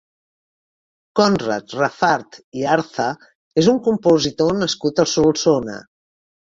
Conrad Rafart i Arza és un compositor nascut a Solsona.